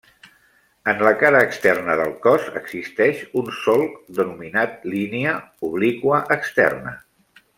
En la cara externa del cos existeix un solc denominat línia obliqua externa.